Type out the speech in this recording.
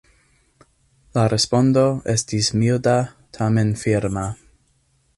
La respondo estis milda, tamen firma.